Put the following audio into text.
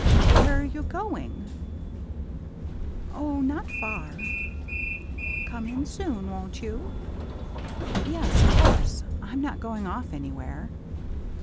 " Where are you going ?"" Oh, not far." " Come in soon, won't you ?" "Yes, of course. I'm not going off any where."